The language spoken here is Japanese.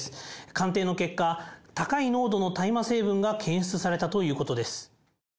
鑑定の結果、高い濃度の大麻成分が検出されたということです。